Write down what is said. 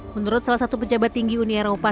menurut salah satu pejabat tinggi uni eropa